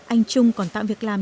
anh trung còn tạo việc làm